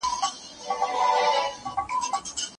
د غونډي اجنډا څنګه ټاکل کېږي؟